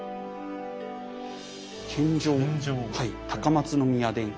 献上高松宮殿下。